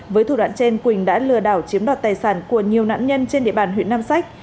với thủ đoạn trên quỳnh đã lừa đảo chiếm đoạt tài sản của nhiều nạn nhân trên địa bàn huyện nam sách